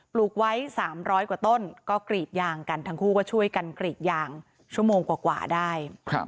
ลูกไว้๓๐๐กว่าต้นก็กรีดยางกันทั้งคู่ก็ช่วยกันกรีดยางชั่วโมงกว่าได้